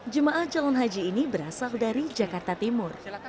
jemaah calon haji ini berasal dari jakarta timur